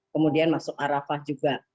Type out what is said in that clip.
kemudian masuk arafah juga